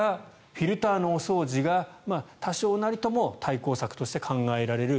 フィルターのお掃除が多少なりとも対抗策として考えられる。